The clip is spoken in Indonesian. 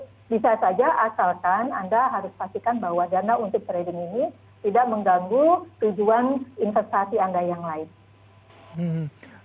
jadi kalau anda ingin memanfaatkan anda harus pastikan bahwa dana untuk trading ini tidak mengganggu tujuan investasi anda yang lain